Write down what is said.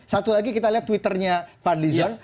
satu lagi kita lihat twitternya pak dizon